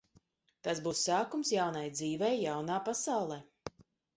Tas būs sākums jaunai dzīvei jaunā pasaulē.